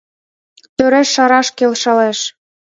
Тӧреш шараш келшалеш.